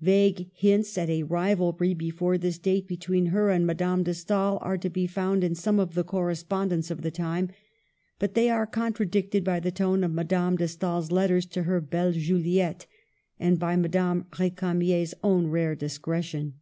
Vague hints at a rivalry before this date between her and Madame de Stael are to be found in some of the correspondence of the time, but they are contradicted by the tone of Madame de Stael's letters to her belle yuliette, and by Ma dame Ricamier's own rare discretion.